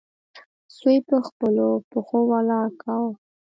سوی په خپلو پښو ویاړ کاوه.